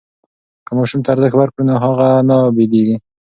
که ماشوم ته ارزښت ورکړو نو هغه نه بېلېږي.